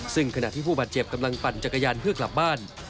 ซึ่งขณะที่ผู้บาดเจ็บกำลังปั่นจักรยานเพื่อกลับบ้าน